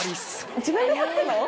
自分で貼ったの？